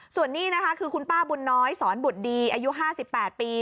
ส่วนนี้นะคะคือคุณป้าบุญน้อยสอนบุตรดีอายุ๕๘ปี